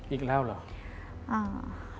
อีกแล้วเหรอ